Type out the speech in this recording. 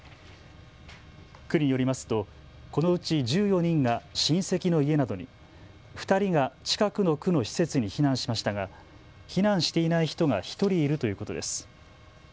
区によりますとこのうち１４人が親戚の家などに、２人が近くの区の施設に避難しましたが避難していない人が１人いるということです。